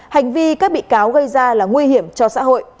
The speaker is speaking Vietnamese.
hành vi các bị cáo gây ra là nguy hiểm cho xã hội